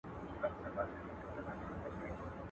بلا له خپلي لمني پورته کېږي.